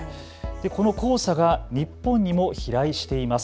この黄砂が日本にも飛来しています。